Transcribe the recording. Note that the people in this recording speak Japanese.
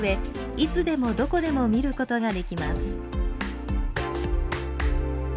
いつでもどこでも見ることができます。